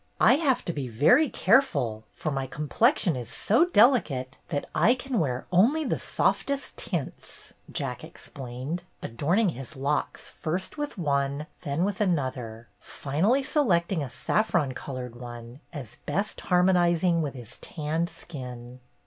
"I have to be very careful, for my com plexion is so delicate that I can wear only the softest tints,'' Jack explained, adorning his locks first with one, then with another, finally selecting a saffron colored one, as best har monizing with his tanned skin.